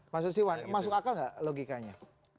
mas susiwan masuk akal nggak logikanya